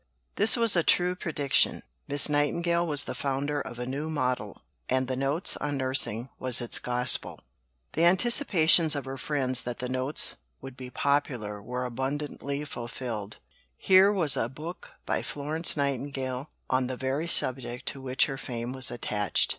This was a true prediction. Miss Nightingale was the founder of a New Model, and the Notes on Nursing was its gospel. The anticipations of her friends that the Notes would be popular were abundantly fulfilled. Here was a book by Florence Nightingale on the very subject to which her fame was attached.